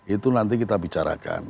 itu nanti kita bicarakan